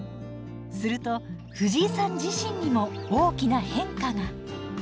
するとフジイさん自身にも大きな変化が。